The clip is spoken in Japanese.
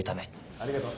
ありがとう。